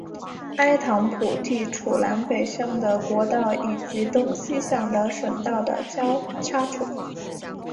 埃唐普地处南北向的国道以及东西向的省道的交叉处。